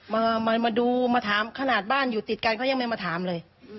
มามาดูมาถามขนาดบ้านอยู่ติดกันเขายังไม่มาถามเลย